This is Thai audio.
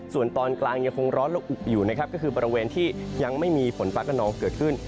ส่วนตอนกลางยังคงร้อนและอุอยู่นะครับก็คือบริเวณที่ยังไม่มีฝนฟ้ากระนองเกิดขึ้น